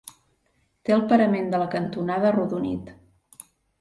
Té el parament de la cantonada arrodonit.